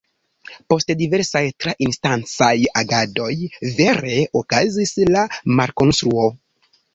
Post diversaj tra-instancaj agadoj vere okazis la malkonstruo.